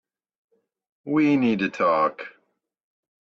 We need to talk.